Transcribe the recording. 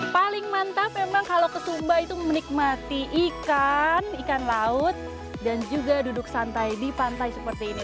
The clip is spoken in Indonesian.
paling mantap memang kalau ke sumba itu menikmati ikan ikan laut dan juga duduk santai di pantai seperti ini